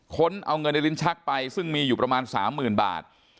้นเอาเงินในลิ้นชักไปซึ่งมีอยู่ประมาณ๓๐๐๐บาท